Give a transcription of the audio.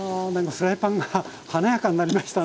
フライパンが華やかになりましたね。